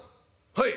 「はい」。